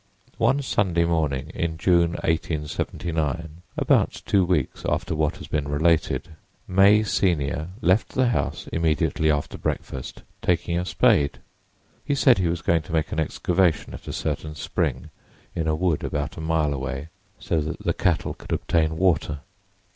One Sunday morning in June, 1879, about two weeks after what has been related, May senior left the house immediately after breakfast, taking a spade. He said he was going to make an excavation at a certain spring in a wood about a mile away, so that the cattle could obtain water.